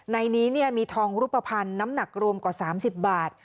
ในนี้มีทองรูปภัณฑ์น้ำหนักรวมกว่า๓๐บาท